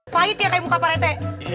pahit ya kayak muka paretek